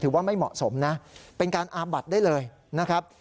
ว่าไม่เหมาะสมนะเป็นการอาบัดได้เลยนะครับ